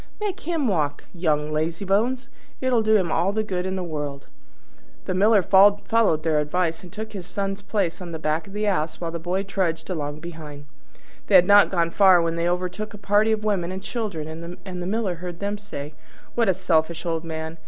Make him walk, young lazybones! It'll do him all the good in the world." The Miller followed their advice, and took his Son's place on the back of the Ass while the boy trudged along behind. They had not gone far when they overtook a party of women and children, and the Miller heard them say, "What a selfish old man!